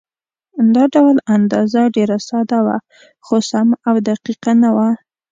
دا ډول اندازه ډېره ساده وه، خو سمه او دقیقه نه وه.